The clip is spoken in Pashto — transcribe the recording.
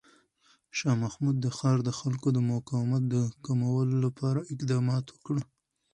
شاه محمود د ښار د خلکو د مقاومت د کمولو لپاره اقدامات وکړ.